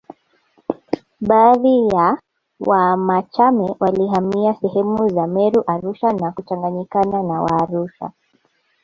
Baadhi ya Wamachame walihamia sehemu za Meru Arusha na kuchanganyikana na Waarusha